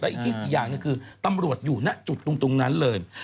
แต่อีกที่อย่างนั้นคือตำรวจอยู่หน้าจุดตรงนั้นเลย